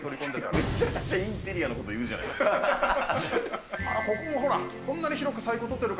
めちゃくちゃインテリアのこと言うじゃないですか。